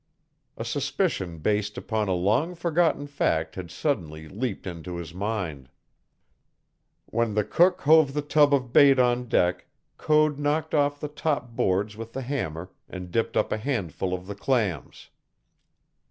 A suspicion based upon a long forgotten fact had suddenly leaped into his mind. When the cook hove the tub of bait on deck Code knocked off the top boards with the hammer and dipped up a handful of the clams.